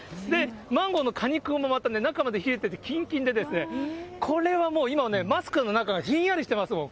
マンゴーの果肉も中まで冷えてて、きんきんで、これはもう今、マスクの中がひんやりしてますもん。